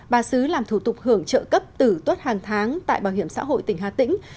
bà xứ làm thủ tục hưởng trợ cấp tử tuất hàng tháng tại bảo hiểm xã hội tỉnh hà tĩnh